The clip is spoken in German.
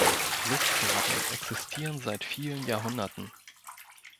Lustgärten existieren seit vielen Jahrhunderten.